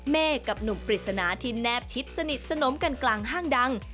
กับหนุ่มปริศนาที่แนบชิดสนิทสนมกันกลางห้างดัง